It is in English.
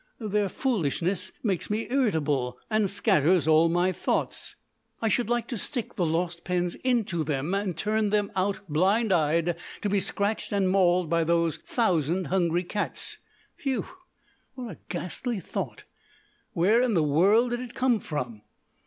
Their foolishness makes me irritable and scatters all my thoughts. I should like to stick the lost pens into them and turn them out, blind eyed, to be scratched and mauled by those thousand hungry cats. Whew! What a ghastly thought! Where in the world did it come from?